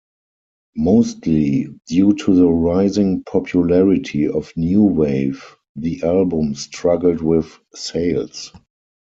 Mostly due to the rising popularity of new wave, the album struggled with sales.